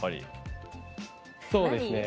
そうですね